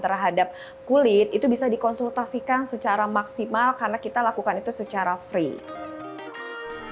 terhadap kulit itu bisa dikonsultasikan secara maksimal karena kita lakukan itu secara free